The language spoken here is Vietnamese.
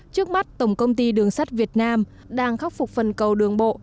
trước mắt tổng công ty đường sắt việt nam đang khắc phục phần cầu đường bộ